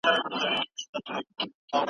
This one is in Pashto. انسان په خپلو کارونو کې بریا ترلاسه کوي.